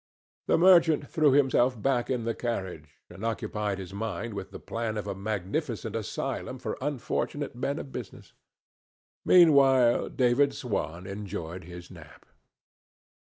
The merchant threw himself back in the carriage and occupied his mind with the plan of a magnificent asylum for unfortunate men of business. Meanwhile, David Swan enjoyed his nap.